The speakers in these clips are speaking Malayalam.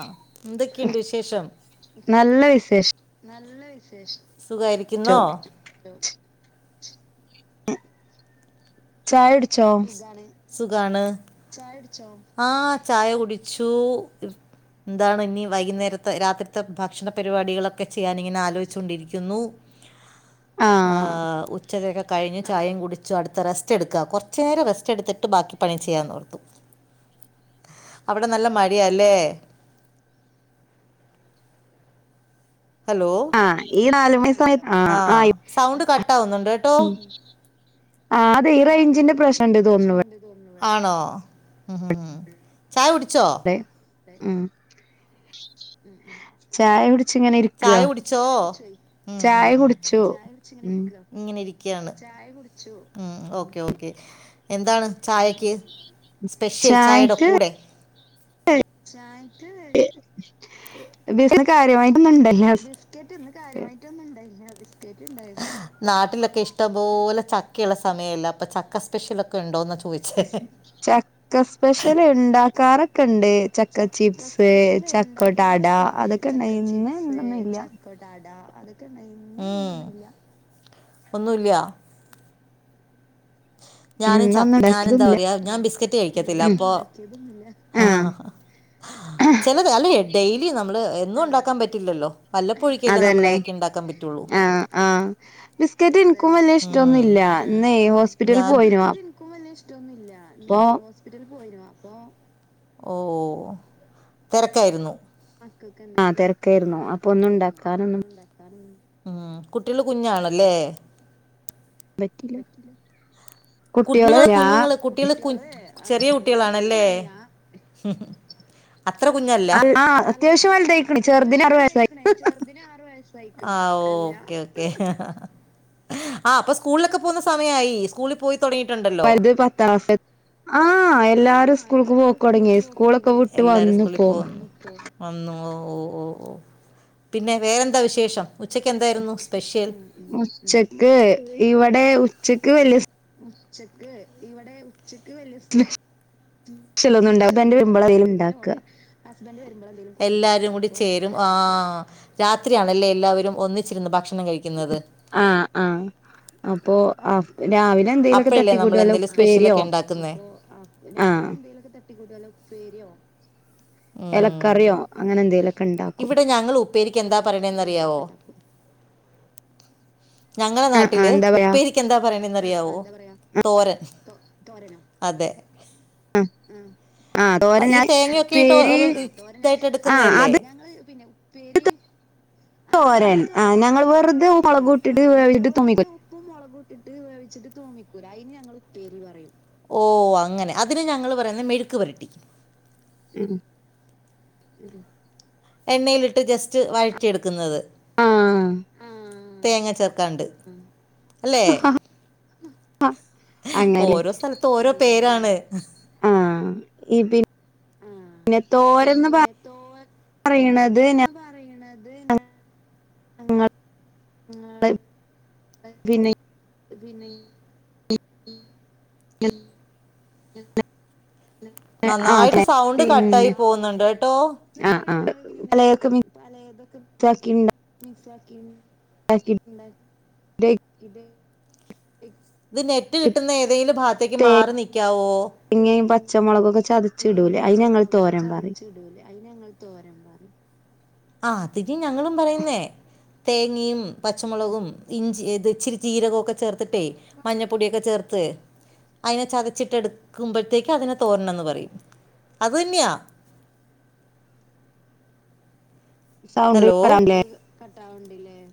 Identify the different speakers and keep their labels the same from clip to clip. Speaker 1: ആഹ് ന്തൊക്കെയുണ്ട് വിശേഷം നല്ല വിശേഷം സുഖായിരിക്കുന്നോ?
Speaker 2: ചായ ട്
Speaker 1: സുഖാണ് സുഖാണ് ചായ കുട്ച്ചോ? ആഹ് ചായ കുടിച്ചു എന്താണ് ഇനി വൈകുന്നേരത്തെ രാത്രിത്തെ ഭക്ഷണ പരിപാടികളൊക്കെ ചെയ്യാൻ ഇങ്ങനെ ആലോചിച്ചോണ്ടിരിക്കുന്നു. ആഹ് ഉച്ചക്കൊക്കെ കഴിഞ്ഞ് ചായയും കുടിച്ചു അടുത്ത റസ്റ്റ് എടുക്ക കൊറ് ച്ചേരം റെസ്റ്റ് എടുത്തിട്ട് ബാക്കി പണി ചെയ്യാനോർത്തു. അവടെ നല്ല മഴയാല്ലേ?
Speaker 2: ആഹ് ഈ നാല് [unintelligible] മ് ആ അത് ഈ റേഞ്ചിന്റെ പ്രശ്
Speaker 1: ആണോ മ് മ് ചായ കുടിച്ചോ?
Speaker 2: മ്
Speaker 1: മ് മ് ചായ കുടിച്ചോ? മ് മ് മ് ചായ കുടിച്ച് ഇങ്ങനെ ഇരിക്ക, ഇങ്ങനെ ഇരി ക്കാണ്, ചായ കുടിച്ചു, മ് ഓക്കേ ഓക്കേ എന്താണ് ചായക്ക് സ്പെഷ്യൽ ചായയുടെ കൂടെ?
Speaker 2: [unintelligible] കാര്യമായി
Speaker 1: ബിസ്ക്കറ്റ്, ഇന്ന് കാര്യമായിട്ട് ഒന്നും ഇണ്ടായില്ല. നാട്ടിലൊക്കെ ഇഷ്ടംപോലെ ചക്കയുള്ള സമയല്ലേ, അപ്പ ചക്ക സ്പെഷ്യലൊക്കെ ഉണ്ടോന്ന ചോ
Speaker 2: ചക്ക സ്പെഷ്യൽ ഇണ്ടാക്കാറ് ക്കെണ്ട് ചക്ക ചിപ്സ്, ചക്കോടാട അതൊക്കെ ഇണ്ടയി ഇന്ന് എന്തൊന്നുംല്ല.
Speaker 1: മ് ഒന്നുല്ല. ഞാനും ചക് ഞൻ എന്താ പറയാ ഞാൻ ബിസ്കറ്റ് കഴിക്കത്തില്ല അപ്പോ ഹാ ഹാ ഹാ ചെലത് അല്ലെ ഡെയിലി നമ്മള് എന്നും ഉണ്ടാക്കാൻ പറ്റില്ലല്ലോ.
Speaker 2: അതന്നെ ആ ആഹ് ബിസ്കറ്റ് എനിക്കും വല്യ ഇഷ്ടൊന്നുല്ല. [unintelligible] ഇന്നേ ഹോസ്പിറ്റലിൽ പോ
Speaker 1: ബിസ്‌ക്കറ്റ് എനിക്കും വല്യ ഇഷ്
Speaker 2: പ്പോ.
Speaker 1: ഓഹ് തിരക്കായിരുന്നു. [unintelligible] എന്തെങ്കിലും ആഹ് തിരക്കായിരുന്നു അപ്പൊ ഒന്നും ഉണ്ടാക്കാൻ ഉമ് കുട്ട്യാള് കുഞ്ഞാണ ല്ലേ. കുഞ്ഞുങ്ങള് കുഞ്ഞുങ്ങള് കുട്ട്യാള് കു ചെറി യ കുട്ട്യാളാണ ല്ലേ അത്ര കുഞ്ഞല്ല അൽ ആഹ് അത്യാവശ്യം വലുതായിക്ക്ണ് ചെുറുതിന് ആറ് വയസ് ആയിക്ക്ണ് ആഹ് ഓക്കെ ഓക്കെ. ആഹ് അപ്പ സ്കൂളിലൊക്കെ പോകുന്ന സമയായി സ്കൂളിൽ പോയി.
Speaker 2: വലുത് പത്തക്ലാസല്ല ഹ എല്ലാരും.
Speaker 1: എല്ലാരും സ്കൂളിൽ പോന്നു വന്നു ഓ ഓ ഓ പിന്നെ വേറെന്താ വിശേഷം
Speaker 2: ഉച്ചക്ക് ഇവിടെ ഉച്ചക്ക് വലിയ
Speaker 1: ഉച്ചക്ക് ഇവിടെ ഉച്ചക്ക് വല്ല്യ ന്നും ഉണ്ടാവല്ല വൈകുന്നേരം പോലെ ഹസ്ബൻഡ് വരുമ്പോ എല്ലാരും കൂടി ചേരും ആ രാത്രിയാണല്ലേ എല്ലാവരും ഒന്നിച്ചിരുന്നു ഭക്ഷ ഭക്ഷണം കഴിക്കുന്നത്
Speaker 2: അപ്പോൾ ആ രാവിലെ എന്തെങ്കലുമൊക്കെ തട്ടിക്കൂടുല്ലോ ഉപ്പേരിയോ ആഹ
Speaker 1: [unintelligible] ഉപേരിയോ
Speaker 2: ഇലക്കറിയോ അങ്ങനെ എന്തെലും
Speaker 1: ഇവിടെ ഞങ്ങൾ ഉപ്പേരീക്ക് എന്താ പറയണെന്നറിയാവോ ഞങ്ങളെ നാട്ടില് ഉപ്പേരിക്കെന്താ പറയണേന്ന് തോരാൻ അതെ ഈ തേങ്ങൊക്കെ ഇട്ട് ഇ ഇതായിട്ട് എടുക്കുന്നല്ലേ പിന്നെ ഉപ്പേരി
Speaker 2: തോരൻ ആ ഞങ്ങൾ വെറുതെ മുളക്കൂട്ടിട്ട് തുമ്മിക്ക
Speaker 1: [unintelligible] ഓ അങ്ങനെ അതിന് ഞങ്ങൾ പറയുന്നത് മേഴു ക്ക് വരട്ടി
Speaker 2: ഉം
Speaker 1: എണ്ണയിലിട്ട് ജസ്റ്റ് വഴിട്ടിടുക്കുന്നത് തേങ്ങ ചേർക്കാണ്ട് അല്ലെ ഓരോ സ്ഥലത്ത ഓരോ പേരാണ്
Speaker 2: ആഹ ഈ പിന്നെ പിന്നെ തോരന്ന് പറ പറയണത്
Speaker 1: എന്ന് പറയണത് ഞാൻ അ പിന്നെയി നന്നായിട്ട് സൗണ്ട് കട്ടായി പോകുന്നുണ്ട് കേട്ടോ
Speaker 2: ആക്കിണ്ടോ
Speaker 1: മിസ്സാക്കി ഉണ്ട ഇത് ഇത് നെറ്റ് കിട്ടുന്നഏ ഏതെലും ഭാഗത്തേക്ക് മാറി നിക്കാവോ ഇങ്ങ പച്ചമുളകൊക്കെ ചതച്ച ഇടൂലേ അ ങ്ങൾ തോരൻ പറ ഞങ്ങളും പറയുന്നേ തേങ്ങയും പച്ചമുളകും ഇഞ്ചി ഇത് ഇച്ചിരി ചീരകമൊക്കെ ചേർത്തിട്ടേ മഞ്ഞൾപ്പൊടിയൊക്കെ ചേർത്ത് അതിനെ ചതച്ചിട്ട എടുക്കുമ്പോഴത്തേക്ക് അതിനെ തോരൻ എന്ന് പറയും അതന്നെയാ
Speaker 2: സൗണ്ട് വരാമല്ലേ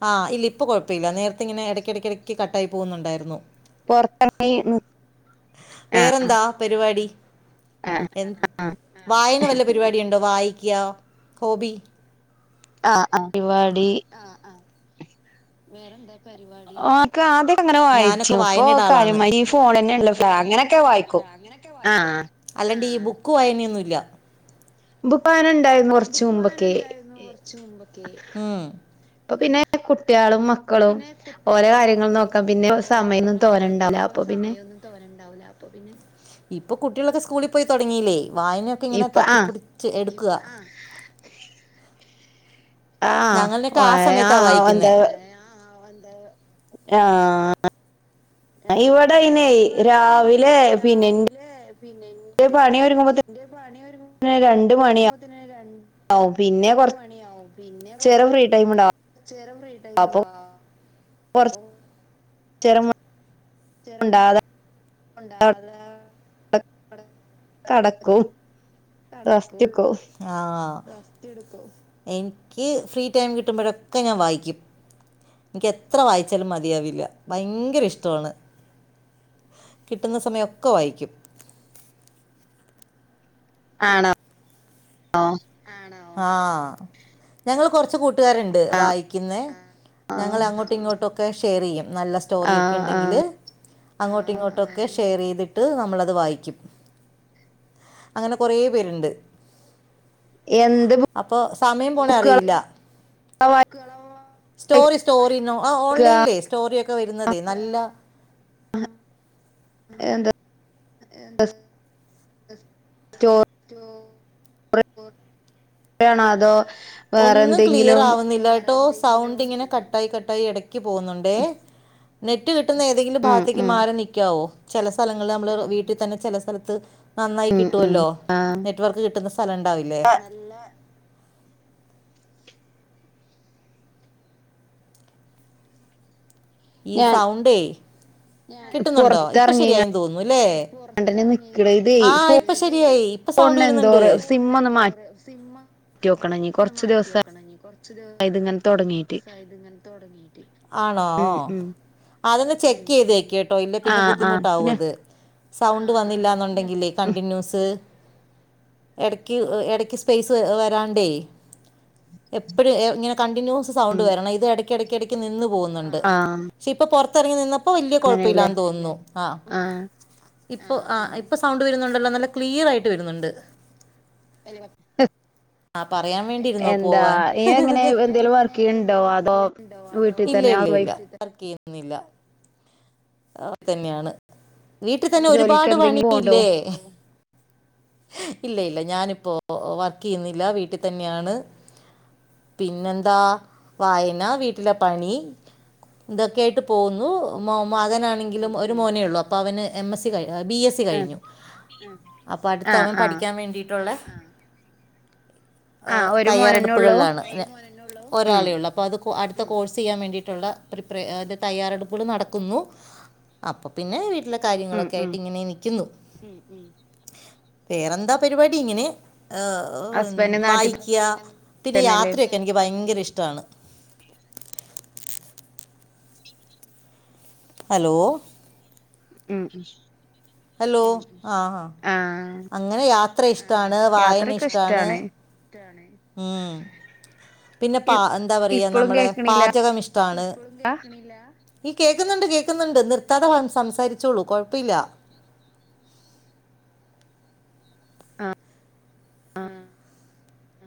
Speaker 1: ആ ഇല്ല ഇപ്പ കൊഴപ്പമില്ല നേരത്തെ ഇങ്ങനെ ഇടക്കിടയ്ക്കിടയ്ക്ക് കട്ട ആായി പോകുന്നുണ്ടായിരുന്നു
Speaker 2: പൊറത്തിങ്ങായി
Speaker 1: വേറെന്താ പരിപാടി എ വായന വല്ല പരിപാടി ഉണ്ടോ വായിക്ക് യാ ഹോബി
Speaker 2: ആ അ
Speaker 1: ആഹ ആഹ വേറെന്താ
Speaker 2: ആക്ക ആദ്യം അങ്ങനെ വായിച്ചു ഇപ്പൊ കാര്യ ഈ ഫോൺ തന്നെ ഉണ്ടോ ഫ്ലാ അങ്ങനെയൊക്കെ വായിക്കോ
Speaker 1: അല്ലാണ്ട് ഈ ബുക്ക് വയനൊന്നുംല്ല
Speaker 2: ഭുപാരൻ [inaudible] കുറച്ചു മുമ്പൊക്കെ ഇപ്പോ പിന്നെ കുട്ടികളും
Speaker 1: അപ്പൊ പിന്നെ കുട്ടികളും മക്കളും ഓല കാര്യങ്ങൾ നോക്കാൻ പിന്നെ സമയമൊന്നുംകുറെ തോന്നുണ്ടാവില്ല [unintelligible] ഇപ്പൊ കുട്ട് കുട്ടികളൊക്കെ സ്കൂളിൽ പോയി തുടങ്ങീല്ലേ, വായനൊക്കെ ഇങ്ങനെ തട്ടിപ്പുട്ച്ച് എടുക്കുക. ഞങ്ങൽലൊക്കെ ആ സമയത്താ വായിക്കുന്നെ.
Speaker 2: ആഹ് [inaudible] ഇവിഡൈനെ രാവി ന്റെ പിന്നെ [inaudible] ന്റെ പണി ഒരുങ്ങുമ്പോയേക്കും
Speaker 1: [inaudible]
Speaker 2: ആ പിന്നെ കുറച്ചു നേരം ഫ്രീ ടൈം ഉണ്ടാവും
Speaker 1: ചേരം ഫ്രീ ടൈമ്ണ്ടാവോ? [inaudible] [inaudible] [unintelligible] ആ എനിക്ക് ഫ്രീ ടൈം കിട്ടുമ്പോഴൊക്കെ ഞാൻ വായിക്കും. എനിക്ക് എത്ര വായിച്ചാലും മതിയാവില്ല ഭയങ്കര ഇഷ്ടമാണ് കിട്ടുന്ന സമയൊക്കെ വായിക്കും.
Speaker 2: ആണോ [unintelligible]
Speaker 1: [inaudible] ആ ഞങ്ങൾ കൊറച്ച് കൂ ട്ടുകാരുണ്ട് വായിക്കുന്ന ഞങ്ങൾ അങ്ങോട്ടും ഇങ്ങോട്ടുമൊക്കെ ഷെയർ ചെയ്യും. നല്ല സ്റ്റോറിയൊക്കെ ഉണ്ടെങ്കില് അങ്ങോട്ടും ഇങ്ങോട്ടൊക്കെ ഷെയർ ചെയ്തി [unintelligible] നമ്മൾ അത് വായിക്കും. അങ്ങനെ കൊറേ പേര്ണ്ട്. അപ്പോ സമയം പോണ അറിയില്ല. സ്റ്റോറി സ്റ്റോറിനോ ആ ഓൺലൈൻലെ സ്റ്റോറി ഒക്കെ വരുന്നതേ നല്ല [inaudible]
Speaker 2: ഏന്ത
Speaker 1: [inaudible] [inaudible] ഒന്നും ക്ലിയർ ആവുന്നില്ല- സൗണ്ട് ഇങ്ങനെ കട്ടായി കട്ടായി ഇടയ്ക്ക് പോകുന്നുണ്ട് നെറ്റ് കി- പെട്ടന്ന് ഏതെങ്കിലും ഭാഗത്തേക്ക് മാറി നൽക്കാവോ ചില സ്ഥലങ്ങിൽ നമ്മള് വീട്ടിൽ തന്നെ ചില സ്ഥലത്ത് നന്നായി കിട്ടുവല്ലോ നെറ്റ്വർക്ക് കിട്ടുവല്ലോ സ്ഥലണ്ടാവില്ലേ നല്ലേ ഈ സൗണ്ടേ കിട്ടുന്നുണ്ടോ ഇപ്പൊ ശരിയായെന്ന് തോന്നുന്നുല്ലേ പൊറത്തെറ്ങ്ങ്ണ്ട ആഹ് ഇപ്പൊ ശെരിയായി ഇപ്പൊ സൗണ്ട് വരുന്നുണ്ട്
Speaker 2: [inaudible]
Speaker 1: ന്ന മാറ്റി വോക്കണീനി കൊറെച്ത് [unintelligible] സൈഡ് യിങ്ങനത്തേ ടങ്ങീട്ട് ആണോ അതൊന്ന് ചെക്ക് ചെയ്തേക്കേട്ടോ ഇല്ല പിന്നെ ബുദ്ധിമുട്ടാവും അത് സൗണ്ട് വന്നില്ല ന്നുണ്ടെങ്കി- [unintelligible] കണ്ടിന്യൂസ് ഇടക്ക് ഇടയ്ക്ക് സ്പേസ് വരാണ്ടേ എപ്പഴ്- ഇങ്ങനെ കണ്ടിന്യൂസ് സൗണ്ട് വരണം ഇത് ഇടക്ക ഇടക്ക ഇടയ്ക്ക് നിന്ന് പോകു- ണ്ട് പക്ഷ ഇപ്പൊ പൊറത്തിറങ്ങി നിന്നപ്പോ വല്യ കൊഴപ്പില്ലാന്ന് തോന്നുന്നു ആ ഇപ്പൊ ആ ഇപ്പൊ സൗണ്ട് വരുന്നുണ്ടല്ലോ നല്ല ക്ലിയർ ആയിട്ട് വരുന്നുണ്ട്
Speaker 2: [inaudible]
Speaker 1: പറയാൻ വേണ്ടിരുന്നോ പോവാൻ [inaudible] ഇല്ല ഇല്ലല്ല [inaudible] യുന്നില്ല അ തന്നെയാണ് വീട്ടിൽ തന്നെ ഒരുപാട് പണിയില്ലേ ഇല്ല ഇല്ല ഞാനിപ്പോ വർക്ക് ചെയ്യുന്നില്ല വീട്ടിൽ തന്നെയാണ് പിന്നെന്താ വായന വീട്ടിലെ പണി ഇതൊക്കെയ ആയിട്ട് പോകുന്നു മ മകനാണെങ്കിലും ഒരു മോനെ ഉള്ളൂ അപ്പൊ അവന് എം എസ് സി കഴി ബി എസ് സി കഴിഞ്ഞു അപ്പൊ അടുത്ത അവൻ പഠിക്കാൻ വേണ്ടിയിട്ടുള്ള ആ തയ്യാറെടുപ്പുകളിലാണ് ഒരാളെ ഉള്ളൂ അപ്പൊ അത് അടുത്ത കോഴ്സ് ചെയ്യാൻ വേണ്ടിയിട്ടുള്ള പ്രിപ്രേ തയ്യാറെടുപ്പുകൾ നടക്ക ക്കുന്നു അപ്പം പിന്നെ വീട്ടിലെ കാര്യങ്ങളൊക്കെ ആയിട്ട് ഇങ്ങനെ നിൽക്കുന്നു വേറെന്താ പരിപാടി ഇങ്ങനെ എ എ വായിക്കുക പിന്നെ യാത്രയൊക്കെ എനിക്ക് ഭയങ്കര ഇഷ്ടമാണ് ഹലോ..
Speaker 2: ഉം ഉ
Speaker 1: ഹലോ ആഹഹ അങ്ങനെ യാത്ര ഇഷ്.. ഇഷ്ടാണ് വായന ഇഷ്ടാണ് ഉം പിന്നെ പ എന്താ പറയാ നമ്മടെ പാചകം ഇഷ്ടമാണ് ഇ കേൾക്കുന്നുണ്ട് കേൾക്കുന്നുണ്ട് നിർത്താതെ [unintelligible] സംസാരിച്ചോളൂ കുഴപ്പമില്ല
Speaker 2: [inaudible] ആ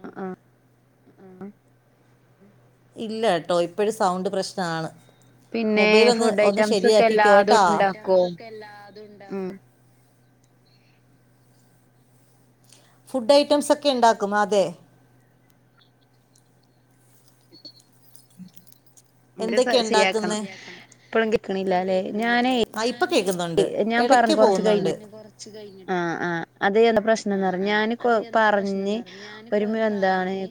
Speaker 2: അ ആ അ
Speaker 1: ഇല്ലട്ടോ ഇപ്പൊഴും സൗണ്ട് പ്രശ്നാണ് മൊബൈൽ ഒന്ന് ഒന്ന് ശരിയാക്കിക്കോട്ടോ ഫുഡ് ഐറ്റംസ് ഒക്കെ ഉണ്ടാക്കും. അതെ എന്തൊക്കെയ ഉണ്ടാക്കുന്നേ അ ഇ ഇപ്പ കേക്കുന്നുണ്ട് ഇടക്ക് പോകുന്നുണ്ട് ആ ആ അത് എന്താ പ്രശ്നംന്ന്റിഞ്ഞ പ ഞാനിപ്പോ പറഞ്ഞ്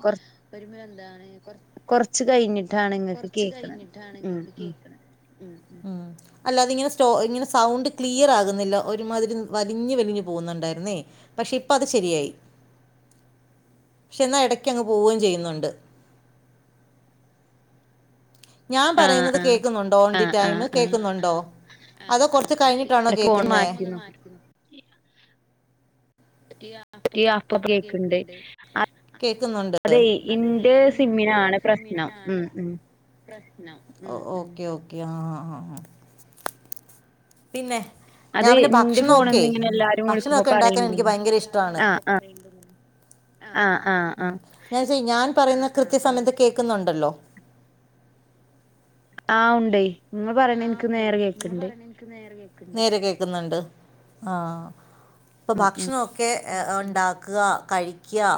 Speaker 1: ഒരുമ താണ് കുറ
Speaker 2: കൊറച്ച് കഴിഞ്ഞിട്ടാണ് ഇങ്ങൾക്ക്
Speaker 1: കുറച്ച് കഴിഞ്ഞിട്ടാണ് ഇങ്ങൾക്ക് കേൾക്ക്ണ് ഉം ഉം അല്ല അതി ഇങ്ങനെ സ്റ്റോ ഇങ്ങനെ അല്ല ഇതിങ്ങനെ സ്റ്റോ ഇതിങ്ങനെ സൗണ്ട് ക്ലിയർ ആകുന്നില്ല ഒരുമാതിരി വലിഞ്ഞ് വലിഞ്ഞ് പോകുന്നുണ്ടായിരുന്നേ പോകുന്നുണ്ടായിരുന്നേ പക്ഷെ ഇപ്പഅത് ശരിയായി പക്ഷെ എന്നാ ഇടയ്ക്കങ്ങ് പോവുകയും ചെയ്യുന്നുണ്ട് ഞാൻ പറയുന്നത് കേൾക്കുന്നുണ്ടോ ഓൺ ദി ടൈം കേൾക്കുന്നുണ്ടോ അതോ കൊറച്ച് കഴിഞ്ഞിട്ടാണോ കേക്കുന്നേ
Speaker 2: ഇ അ യ അപ്പ കേക്കണ്ട് അ
Speaker 1: കേക്കുന്നുണ്ട് നം ഓക്കെ ഓക്കെ ആഹ്്് പിന്നെ രാവിലെ ഭക്ഷണൊക്കെ ഭക്ഷണൊക്കെ ഉണ്ടാക്കൻ എനി ക്ക് ഭയങ്കര ഇഷ്ടമാണ്. ഉം [unintelligible] ഞാൻ പറയുന്ന കൃത്യസമയത്ത് കേൾക്കുന്നുണ്ടല്ലോ
Speaker 2: ആ ഉണ്ടേയ്
Speaker 1: നേരെ കേക്കുന്നുണ്ട് ആ ഇപ്പൊ ഭക്ഷണമൊക്കെ ഉണ്ടാക്കുക കഴി ക്ക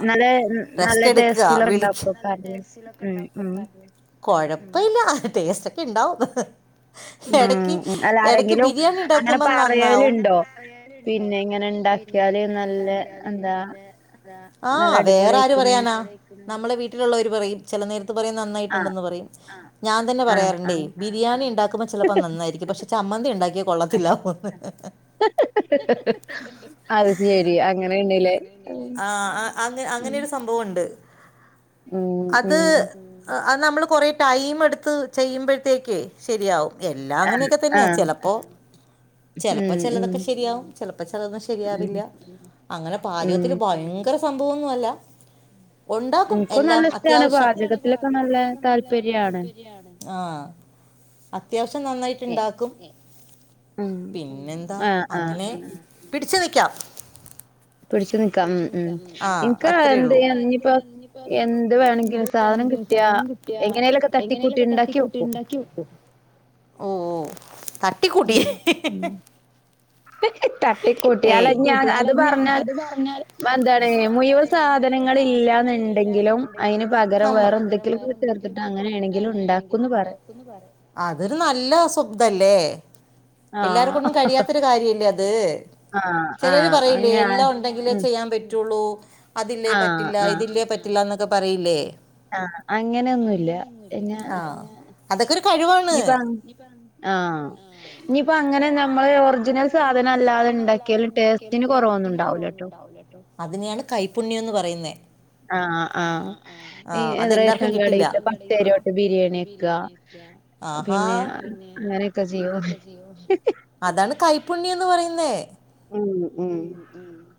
Speaker 1: റസ്റ്റ്എടുക്കാ വിളിക്ക കുഴപ്പ ഇല്ല ടേസ്റ്റ് ഒക്കെ ഇണ്ടാവും ഇടക്ക് ഇടക്ക് ബിരിയാണി ഇണ്ടാക്കുമ്പോ നന്നാവും ആ വേറെ ആരു പറയാനാ അ നമ്മളെ വീട്ടി ട്ടിലുള്ളവര് പറയും ചില നേരത്ത് പറയും നന്നായിട്ടുണ്ടെന്ന് പറയും ഞാൻ തന്നെ പറയാറുണ്ടേ ബിരിയാണി ഇണ്ടാക്കുമ്പോ പ്പോ നന്നായിരിക്കും പക്ഷെ ചമ്മന്തി ഉണ്ടാക്കിയ കൊള്ളത്തില്ല ഹ ഹ അ അങ്ങനെ രു സംഭവമുണ്ട് അത് അ അത് നമ്മൾ കുറേ ടൈം എടുത്ത് ചെയ്യുമ്പോഴത്തേക്കേ ശരിയാവും എല്ലാം അങ്ങനെയൊക്കെ തന്നെയാ ചെലപ്പോ ചിലപ്പോ ചിലതൊക്കെ ശരിയാവും ചിലപ്പോ ചിലതൊന്നും ശരിയാവില്ല അങ്ങനെ പാചകത്തിൽ ഭയങ്കര സംഭവൊന്നുമുമല്ല ഉണ്ടാക്കും എല്ലാം അത്യാവശ്യം ആ അ അത്യാവശ്യം നന്നായിട്ട്ണ്ടാക്കും പിന്നെെന്താ അങ്ങനെ പിടി പിടിച് നികാം
Speaker 2: പിടിച്ചിനിക്കാം ഉ ഉ എനിക്ക് എന്ത ചെയ്യ ഇനിയിപ്പോ എന്ത് വേണമെങ്കിലും സാധ
Speaker 1: എന്തങ്കിലും സാധനം കിട്ടിയ എങ്ങനെലൊക്കെ തട്ടിക്കൂട്ടി ഉണ്ടാക്കി വെക്കും ഓ തട്ടി കൂട്ടിയി.....
Speaker 2: തട്ടിക്കൂട്ടി അല്ല ഞാൻ അത് പറഞ്ഞാല് എന്താണ് മുയവ സാധനങ്ങ ഇല്ലാന്നുണ്ടെങ്കിലും അതിന് പകരം വേറെ എന്തെങ്കിലും ചെർക്ക
Speaker 1: അങ്ങനണെങ്കണ്ട പറ അതൊരു നല്ല അസുബ്ദല്ലേ എല്ലാര കൊൊണ്ടും കഴിയാത്തൊരു കാര്യല്ലേ അത് ചിലര് പറയില്ലേ എല്ലാം ഉണ്ടെങ്കിലേ ചെയ്യാൻ പറ്റുള്ളൂ അതില്ലേ പറ്റില്ല ഇതില്ലേ പറ്റില്ല എന്നൊക്കെ പറയില്ലേ
Speaker 2: ആ അങ്ങനെയൊന്നുമല്ല ഞാ
Speaker 1: കഴിവാണ്
Speaker 2: ഇനിയിപ്പോ അങ്ങനെ നമ്മള് ഒറിജിനൽ സാധനം അല്ലാതെ ഉണ്ടാക്കിയാലും ടേസ്റ്റിന് കൊറവൊന്നുംണ്ടാവൂലോ കേട്ടോ
Speaker 1: അതിനെയാണ് കൈപ്പുണ്യംന്ന് പറയുന്നേ ആ് അതെല്ലാർക്കും കിട്ടില്ല ആ പിന്നെ [unintelligible] അതാണ് കൈപ്പുണ്യംന്ന് പറയുന്നേ
Speaker 2: ഉം ഉ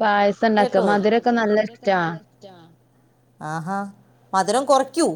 Speaker 2: പായസം ഉണ്ടാക്ക മധുരമൊക്കെ നല്ല ഇഷ്ടാ
Speaker 1: ആ മധുരം കുറയ്ക്കൂ